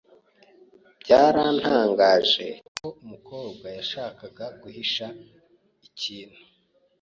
Byarantangaje ko umukobwa yashakaga guhisha ikintu.